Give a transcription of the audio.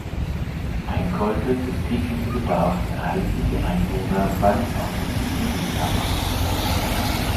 Einkäufe des täglichen Bedarfs erhalten die Einwohner beim örtlichen Edeka-Markt.